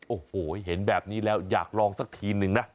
โอ้โหเห็นแบบนี้แล้วอยากลองสักทีนึงนะ